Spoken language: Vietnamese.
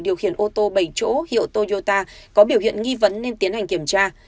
điều khiển ô tô bảy chỗ hiệu toyota có biểu hiện nghi vấn nên tiến hành kiểm tra